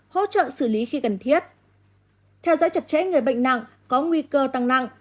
hỗ trợ xử lý khi cần thiết theo dõi chặt chẽ người bệnh nặng có nguy cơ tăng nặng